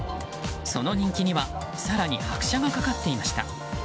その人気には更に拍車がかかっていました。